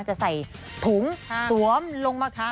จะใส่ถุงหลวมลงมาขับถุงเท้า